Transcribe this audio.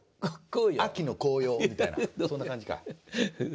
秋の紅葉」みたいなそんな感じか。